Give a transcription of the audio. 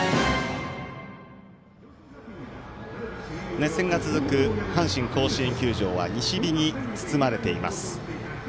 熱戦が続く阪神甲子園球場は西日に包まれています。